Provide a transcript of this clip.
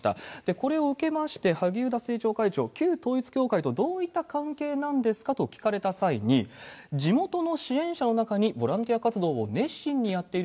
これを受けまして、萩生田政調会長、旧統一教会とどういった関係なんですかと聞かれた際に、地元の支援者の中にボランティア活動を熱心にやっている